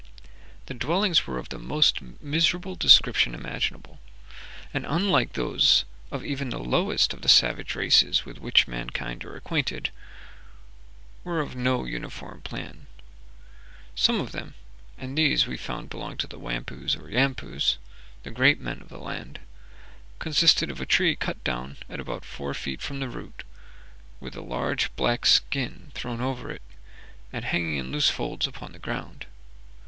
The dwellings were of the most miserable description imaginable, and, unlike those of even the lowest of the savage races with which mankind are acquainted, were of no uniform plan. Some of them (and these we found belonged to the Wampoos or Yampoos, the great men of the land) consisted of a tree cut down at about four feet from the root, with a large black skin thrown over it, and hanging in loose folds upon the ground.